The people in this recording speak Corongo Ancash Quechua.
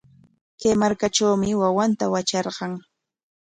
Kay markatrawmi wawanta watrarqan.